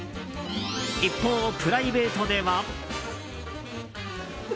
一方、プライベートでは。